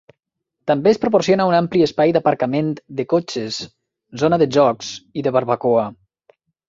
També es proporciona un ampli espai d'aparcament de cotxes, zona de jocs i de barbacoa.